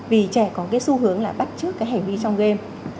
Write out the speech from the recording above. vì trẻ có cái xu hướng là bắt trước cái hành vi trong game